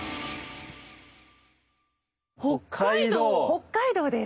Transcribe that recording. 北海道です。